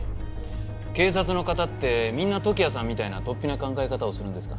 警察の方ってみんな時矢さんみたいなとっぴな考え方をするんですか？